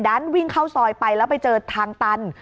ดันวิ่งเข้าซอยไปแล้วไปเจอทางตัน